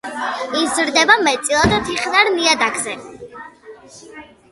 იზრდება მეტწილად თიხნარ ნიადაგზე.